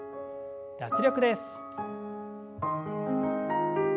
脱力です。